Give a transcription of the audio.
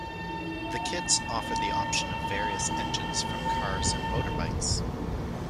The kits offer the option of various engines from cars and motorbikes.